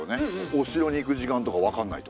お城に行く時間とか分かんないと。